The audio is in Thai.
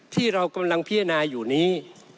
ที่เรากำลังพิจารณาอยู่นี้